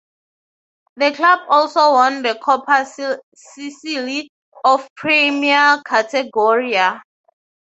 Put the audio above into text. The club also won the Coppa Sicily of Prima Categoria.